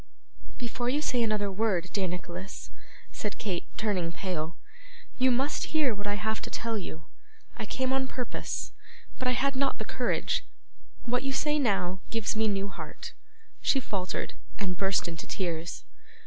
'Before you say another word, dear Nicholas,' said Kate, turning pale, 'you must hear what I have to tell you. I came on purpose, but I had not the courage. What you say now, gives me new heart.' She faltered, and burst into tears.